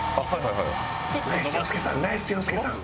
ナイス陽介さん！